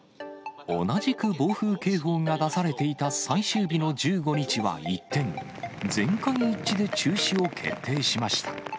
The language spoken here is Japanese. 同じく暴風警報が出されていた最終日の１５日は一転、全会一致で中止を決定しました。